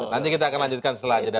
nanti kita akan lanjutkan selanjutnya